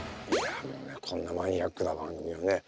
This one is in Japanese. こんなマニアックな番組をね